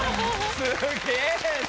すげぇな。